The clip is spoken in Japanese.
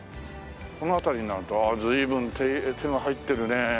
この辺りになるとああ随分手が入ってるね。